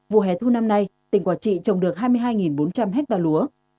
vụ hè thu năm nay tỉnh quả trị trồng được hai mươi hai bốn trăm linh ha lúa